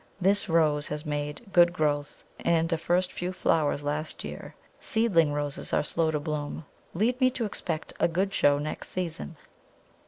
This Rose has made good growth, and a first few flowers last year seedling Roses are slow to bloom lead me to expect a good show next season.